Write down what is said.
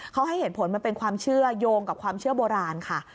เขาให้เหตุผลมันเป็นความเชื่อโยงกับความเชื่อโบราณค่ะ